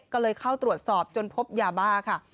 ก็เลยเข้าตรวจสอบจนพบยาบ้าค่ะ